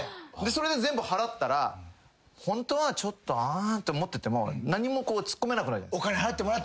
それで全部払ったらホントはちょっと「ああ」って思ってても何もツッコめなくなるじゃないですか。